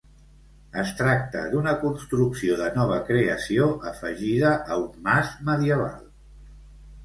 Es tracta d'una construcció de nova creació afegida a un mas medieval.